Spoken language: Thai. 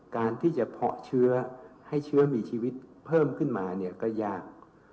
การที่จะเพาะเชื้อให้เชื้อมีชีวิตเพิ่มขึ้นมาเนี่ยก็ยาก